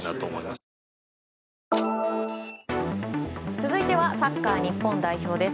続いてはサッカー日本代表です。